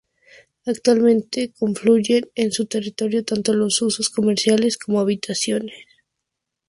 Actualmente confluyen en su territorio tanto los usos comerciales como habitacionales.